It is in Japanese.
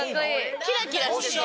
キラキラしてそう。